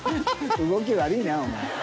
動き悪いなお前。